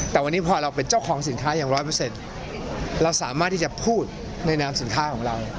แต่วันนี้พอเราเป็นเจ้าของสินค้าอย่าง๑๐๐เราสามารถที่จะพูดในน้ำสินค้าของเรา